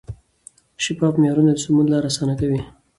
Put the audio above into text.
شفاف معیارونه د سمون لار اسانه کوي.